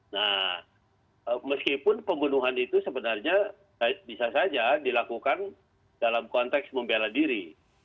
nah meskipun pembunuhan itu sebenarnya bisa saja dilakukan dalam konteks membela diri